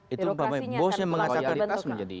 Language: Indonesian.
biasanya kualitas menjadi